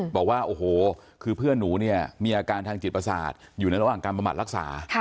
บอกว่าโอ้โหคือเพื่อนหนูเนี่ยมีอาการทางจิตประสาทอยู่ในระหว่างการประหมัดรักษา